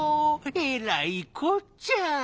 えらいこっちゃ。